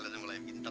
lu udah mulai pinter